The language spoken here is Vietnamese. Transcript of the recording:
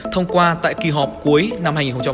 thông qua tại kỳ họp cuối năm hai nghìn hai mươi một